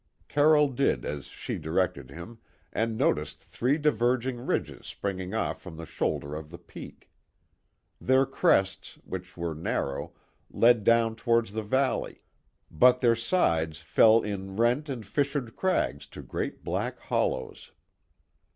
Carroll did as she directed him, and noticed three diverging ridges springing off from the shoulder of the peak. Their crests, which were narrow, led down towards the valley, but their sides fell in rent and fissured crags to great black hollows.